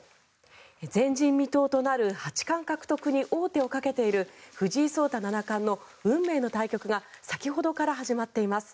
前人未到となる八冠獲得に王手をかけている藤井聡太七冠の運命の対局が先ほどから始まっています。